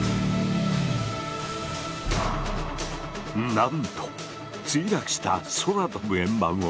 なんと墜落した空飛ぶ円盤を発見。